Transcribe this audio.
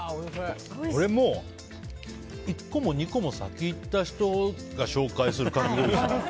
１個も２個も先に行った人が紹介するかき氷ですね。